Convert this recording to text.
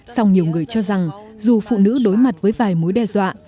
song nhiều người cho rằng dù phụ nữ đối mặt với vài mối đe dọa